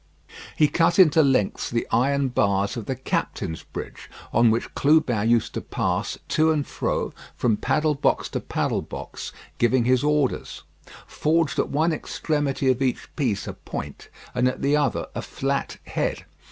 He cut into lengths the iron bars of the captain's bridge on which Clubin used to pass to and fro from paddle box to paddle box giving his orders; forged at one extremity of each piece a point, and at the other a flat head.